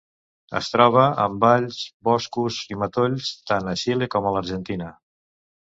Es troba en valls, boscos i matolls, tant a Xile com a l'Argentina.